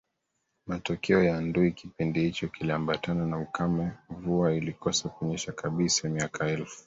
matokeo ya ndui Kipindi hicho kiliambatana na ukame Mvua ilikosa kunyesha kabisa miaka elfu